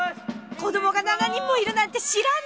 子供が７人もいるなんて知らねえし！